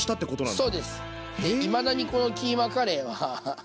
いまだにこのキーマカレーは。